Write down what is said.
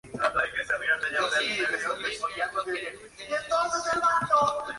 La mayoría de sus trabajos intentan integrar disciplinas diversas para explicar fenómenos aún incomprensibles.